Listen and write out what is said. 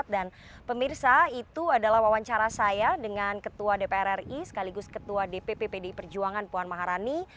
dan pemirsa itu adalah wawancara saya dengan ketua dpr ri sekaligus ketua dpp pdi perjuangan puan maharani